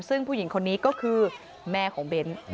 ซึ่งผู้หญิงคนนี้ก็คือแม่ของเบ้น